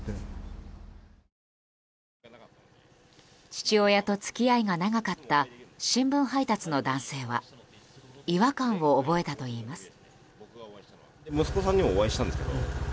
父親と付き合いが長かった新聞配達の男性は違和感を覚えたといいます。